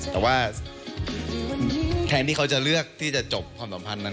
แต่ว่าแทนที่เขาจะเลือกที่จะจบความสัมพันธ์นั้น